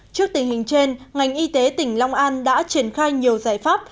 trước tình hình trên ngành y tế tỉnh long an đã triển khai nhiều giải pháp